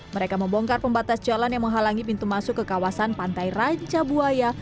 mereka membongkar pembatas jalan yang menghalangi pintu masuk ke kawasan pantai raja buaya